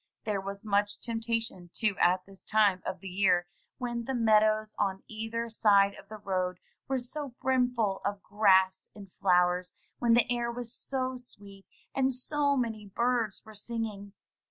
There was much temptation to at this time of the year, when the mead ows on either side of the road were so brimful of grass and flowers, when the air was so sweet, and so many birds were singing.